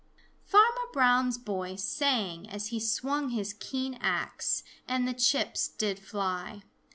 Farmer Brown's boy sang as he swung his keen axe, and the chips did fly.